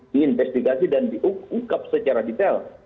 diinvestigasi dan diungkap secara detail